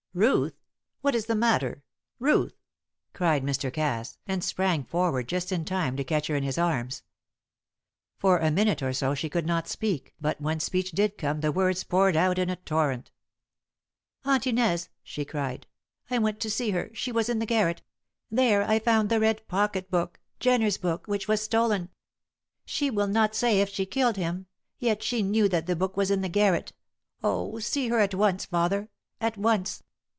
"Ruth! What is the matter? Ruth!" cried Mr. Cass, and sprang forward just in time to catch her in his arms. For a minute or so she could not speak, but when speech did come the words poured out in a torrent. "Aunt Inez," she cried. "I went to see her. She was in the garret; there I found the red pocket book Jenner's book which was stolen! She will not say if she killed him; yet she knew that the book was in the garret. Oh, see her at once, father at once!